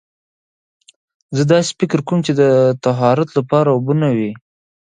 زه داسې فکر کوم چې طهارت لپاره اوبه نه وي.